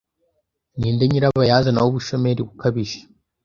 Ninde nyirabayazana w'ubushomeri bukabije?